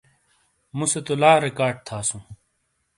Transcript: موسے تو لا ریکارڈ تھاسوں۔